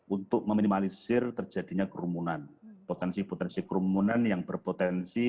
untuk meminimalisir terjadinya kerumunan potensi potensi kerumunan yang berpotensi